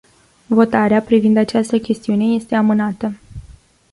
Votarea privind această chestiune este amânată.